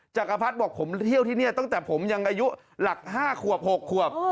จักรพรรดิบอกผมเที่ยวที่นี่ตั้งแต่ผมยังอายุหลัก๕ขวบ๖ขวบ